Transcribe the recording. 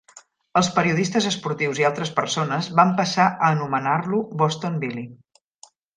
Els periodistes esportius i altres persones van passar a anomenar-lo "Boston Billy".